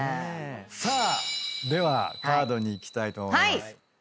さあではカードにいきたいと思います。